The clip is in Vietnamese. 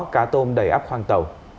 cá tôm đầy ấp khoang tàu